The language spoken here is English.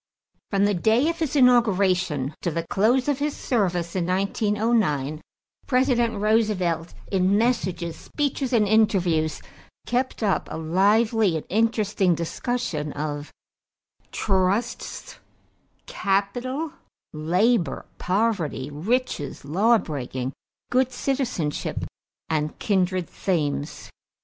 = From the day of his inauguration to the close of his service in 1909, President Roosevelt, in messages, speeches, and interviews, kept up a lively and interesting discussion of trusts, capital, labor, poverty, riches, lawbreaking, good citizenship, and kindred themes.